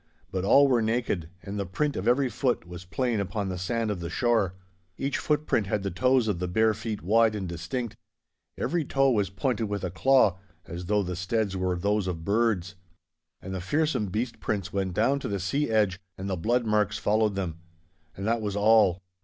But all were naked, and the print of every foot was plain upon the sand of the shore. Each footprint had the toes of the bare feet wide and distinct. Every toe was pointed with a claw, as though the steads were those of birds. And the fearsome beast prints went down to the sea edge, and the blood marks followed them. And that was all.